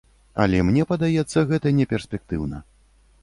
Але мне падаецца, гэта неперспектыўна.